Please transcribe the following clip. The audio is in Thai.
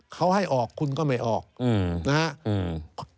เขาให้ออกคุณก็ไม่ออกนะฮะ